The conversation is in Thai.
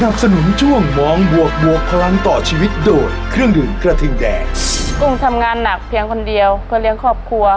กุ้งทำงานหนักเพียงคนเดียวเพื่อเลี้ยงครอบครัว